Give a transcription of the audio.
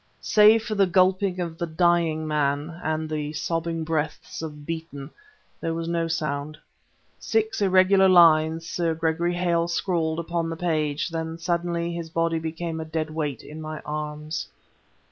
Save for the gulping of the dying man, and the sobbing breaths of Beeton, there was no sound. Six irregular lines Sir Gregory Hale scrawled upon the page; then suddenly his body became a dead weight in my arms.